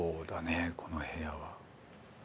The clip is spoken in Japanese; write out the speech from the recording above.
この部屋は。